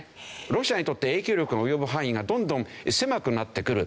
ロシアにとって影響力が及ぶ範囲がどんどん狭くなってくる。